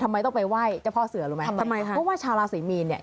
ทำไมต้องไปไหว้เจ้าพ่อเสือรู้ไหมทำทำไมคะเพราะว่าชาวราศรีมีนเนี่ย